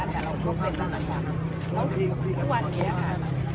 แต่เราดูเป็นอะไรอะไรราวแล้วทุกวันดีแล้วครับ